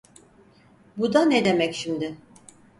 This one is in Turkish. Bu da ne demek şimdi?